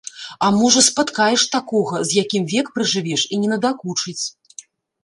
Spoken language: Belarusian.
А можа, спаткаеш такога, з якім век пражывеш і не надакучыць.